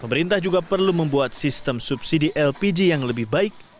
pemerintah juga perlu membuat sistem subsidi lpg yang lebih baik